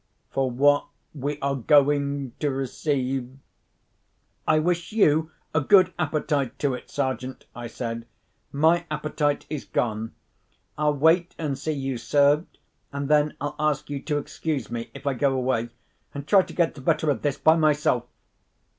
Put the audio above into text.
'For what we are going to receive——'" "I wish you a good appetite to it, Sergeant," I said. "My appetite is gone. I'll wait and see you served, and then I'll ask you to excuse me, if I go away, and try to get the better of this by myself."